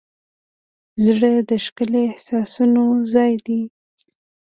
زړه د ښکلي احساسونو ځای دی.